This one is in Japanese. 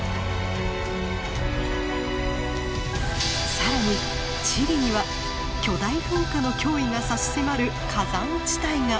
更にチリには巨大噴火の脅威が差し迫る火山地帯が。